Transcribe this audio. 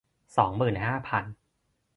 สองหมื่นห้าพัน